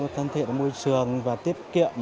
thân thiện môi trường và tiết kiệm